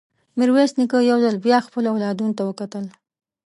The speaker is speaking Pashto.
ميرويس نيکه يو ځل بيا خپلو اولادونو ته وکتل.